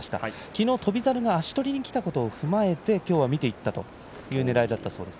きのう翔猿が足取りにきたところを踏まえてきょうは見ていったと言ってました。